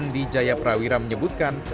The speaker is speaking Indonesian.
dijaya prawira menyebutkan